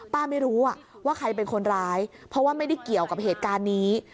ไม่รู้ว่าใครเป็นคนร้ายเพราะว่าไม่ได้เกี่ยวกับเหตุการณ์นี้